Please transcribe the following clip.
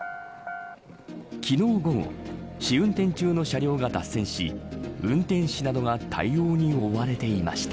昨日午後、試運転中の車両が脱線し運転士などが対応に追われていました。